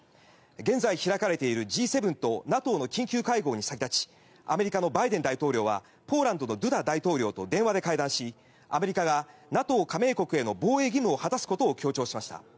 現在、開かれているＧ７とＮＡＴＯの緊急会合に先立ちアメリカのバイデン大統領はポーランドのドゥダ大統領と電話で会談しアメリカがＮＡＴＯ加盟国への防衛義務を果たすことを強調しました。